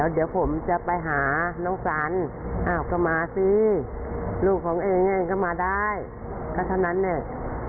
เดี๋ยวผมจะไปหาน้องสันอ้าวก็มาสิลูกของเองเองก็มาได้ก็ฉะนั้นเนี่ย